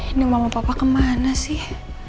ini mama papa kemana sih